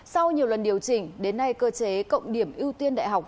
sau nhiều lần điều chỉnh đến nay cơ chế cộng điểm ưu tiên đại học